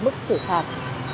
mức xử phạt